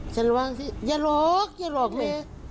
ฉันระวังสิอย่าหลอกอย่าหลอกแม่